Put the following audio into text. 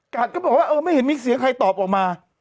ก็บอกว่าเออไม่เห็นมีเสียงใครตอบออกมา